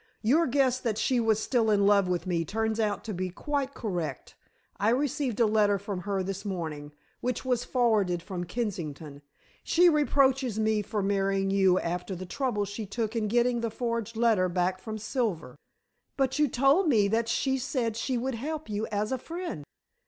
Your guess that she was still in love with me turns out to be quite correct. I received a letter from her this morning, which was forwarded from Kensington. She reproaches me with marrying you after the trouble she took in getting the forged letter back from Silver." "But you told me that she said she would help you as a friend."